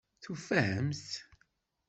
Tufamt-t?